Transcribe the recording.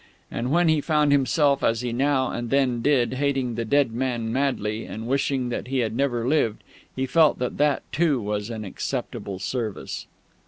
And when he found himself, as he now and then did, hating the dead man Madley, and wishing that he had never lived, he felt that that, too, was an acceptable service....